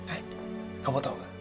eh kamu tau gak